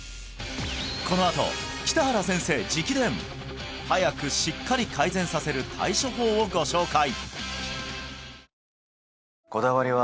このあと北原先生直伝早くしっかり改善させる対処法をご紹介